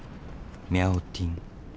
ミャオティン。